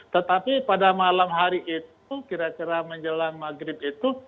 tetapi pada malam hari itu kira kira menjelang maghrib itu